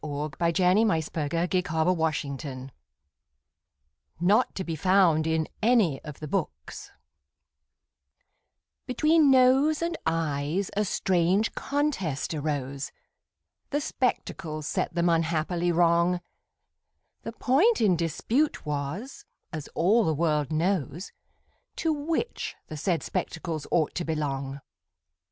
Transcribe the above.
C. Burnand._ REPORT OF AN ADJUDGED CASE NOT TO BE FOUND IN ANY OF THE BOOKS Between Nose and Eyes a strange contest arose, The spectacles set them unhappily wrong; The point in dispute was, as all the world knows, To which the said spectacles ought to belong.